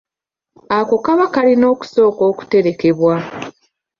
Ako kaba kalina okusooka okuterekebwa.